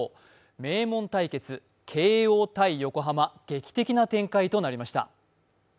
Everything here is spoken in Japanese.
名門対決慶応対横浜、劇的な展開となりました。